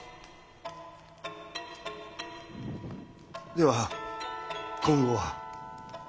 では今後は。